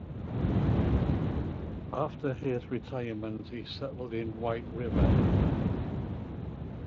After his retirement, he settled in White River.